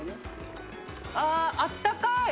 あー、あったかーい。